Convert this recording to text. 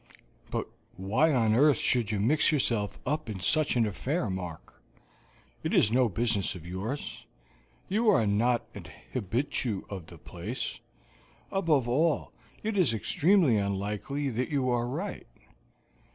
"But why on earth should you mix yourself up in such an affair, Mark? It is no business of yours; you are not an habitue of the place. Above all, it is extremely unlikely that you are right.